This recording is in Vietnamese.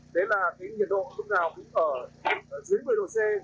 đấy là cái nhiệt độ lúc nào cũng ở dưới một mươi độ c